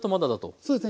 そうですね。